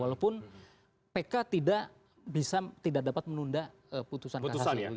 walaupun pk tidak bisa tidak dapat menunda putusan kah